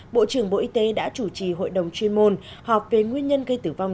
bộ trưởng bộ y tế đã chủ trì hội đồng chuyên môn họp về nguyên nhân gây tử vong